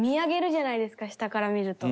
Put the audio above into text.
下から見ると。